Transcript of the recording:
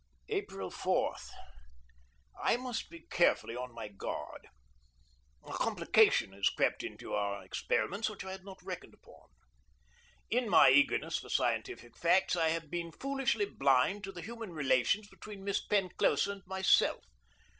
April 4. I must be carefully on my guard. A complication has crept into our experiments which I had not reckoned upon. In my eagerness for scientific facts I have been foolishly blind to the human relations between Miss Penclosa and myself.